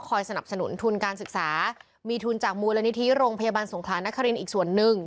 สนับสนุนทุนการศึกษามีทุนจากมูลนิธิโรงพยาบาลสงครานครินอีกส่วนหนึ่ง